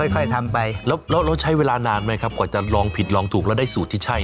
กว่าจะลองผิดลองถูกแล้วได้สูตรที่ใช่